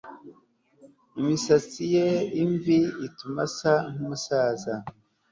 Imisatsi ye imvi ituma asa nkumusaza